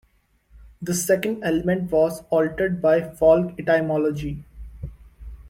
The second element was altered by folk etymology.